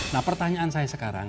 nah pertanyaan saya sekarang